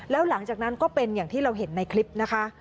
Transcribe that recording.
แล้วหลังจากนั้นก็เป็นอย่างที่เราเห็นในคลิปนะคะ